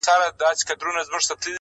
• دا چي سپی دومره هوښیار دی او پوهېږي..